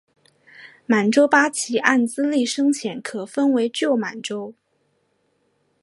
满洲八旗按资历深浅可分为旧满洲。